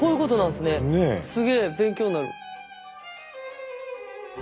すげえ勉強になる。